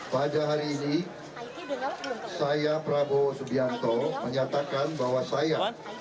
pada hari ini saya prabowo subianto menyatakan bahwa saya